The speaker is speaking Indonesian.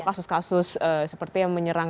kasus kasus seperti yang menyerang